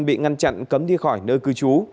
bị ngăn chặn cấm đi khỏi nơi cư trú